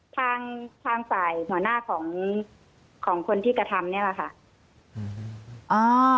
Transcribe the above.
ทางทางฝ่ายหัวหน้าของของคนที่กระทำนี่แหละค่ะ